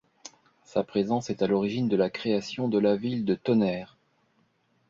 Sa présence est à l'origine de la création de la ville de Tonnerre.